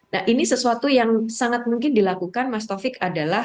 nah ini sesuatu yang sangat mungkin dilakukan vastovic adalah